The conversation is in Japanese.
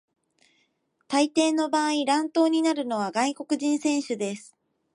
大抵の場合、乱闘になるのは外国人選手です。